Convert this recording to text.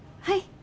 はい。